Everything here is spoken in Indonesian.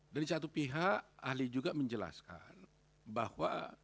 dan satu pihak ahli juga menjelaskan bahwa